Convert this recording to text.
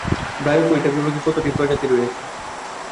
Bryophyta বিভাগে কতটি প্রজাতি রয়েছে?